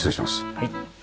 はい。